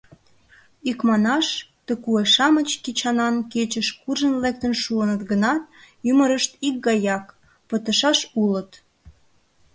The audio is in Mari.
Икманаш, ты куэ-шамыч кечанан кечыш куржын лектын шуыныт гынат, ӱмырышт икгаяк: пытышаш улыт.